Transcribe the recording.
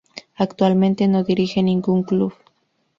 Actualmente no dirige ningún club.